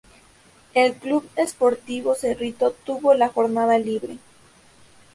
El Club Sportivo Cerrito tuvo la jornada libre.